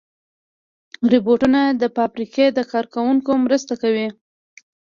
روبوټونه د فابریکې د کار کوونکو مرسته کوي.